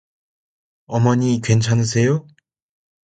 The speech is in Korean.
어머니 괜찮으세요?